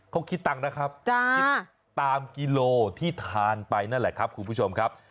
เขาคิดตังค์นะครับคิดตามกิโลที่ทานไปนั่นแหละครับคุณผู้ชมครับ